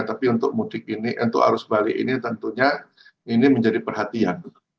tapi untuk mudik ini untuk arus balik ini tentunya ini menjadi perhatian